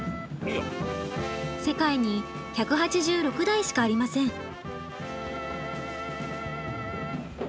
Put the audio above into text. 世界に１８６台しかありません。